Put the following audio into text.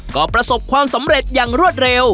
ก็ประสบความสำเร็จอย่างรวดเร็ว